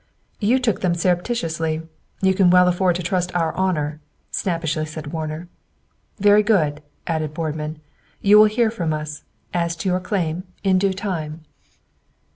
"You took them surreptitiously! You can well afford to trust our honor," snappishly said Warner. "Very good," added Boardman. "You will hear from us, as to your claim, in due time."